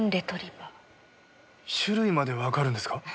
種類までわかるんですか？